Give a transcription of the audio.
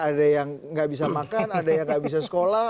ada yang nggak bisa makan ada yang nggak bisa sekolah